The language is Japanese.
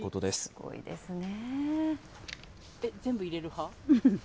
すごいですね。